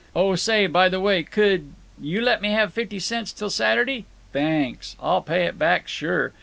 Oh say, by the way, could. you let me have fifty cents till Saturday? Thanks. I'll pay it back sure.